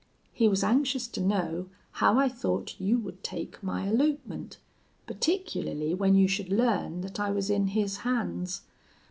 "'He was anxious to know how I thought you would take my elopement, particularly when you should learn that I was in his hands.